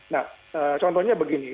nah contohnya begini